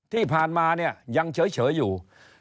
ที่ผ่านมาเนี่ยยังเฉยอยู่